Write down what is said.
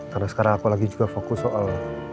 karena sekarang aku lagi juga fokus soal